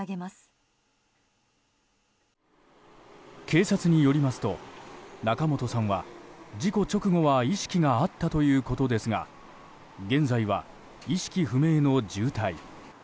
警察によりますと仲本さんは、事故直後は意識があったということですが現在は意識不明の重体。